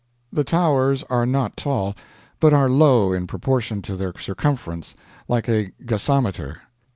The Towers are not tall, but are low in proportion to their circumference, like a gasometer.